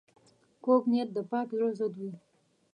کوږ نیت د پاک زړه ضد وي